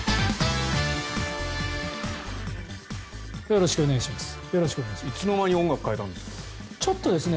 よろしくお願いします。